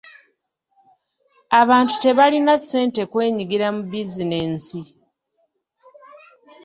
Abantu tebalina ssente kwenyigira mu bizinensi.